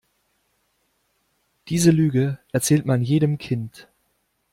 Diese Lüge erzählt man jedem Kind.